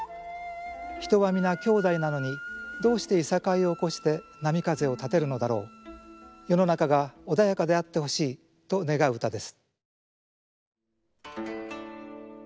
人はみな兄弟なのにどうしていさかいを起こして波風をたてるのだろう世の中が穏やかであってほしいと願う歌です。